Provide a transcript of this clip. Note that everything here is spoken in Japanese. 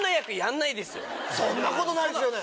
そんなことないですよね。